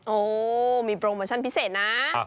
โอ้มีโปรโมชั่นพิเศษนะ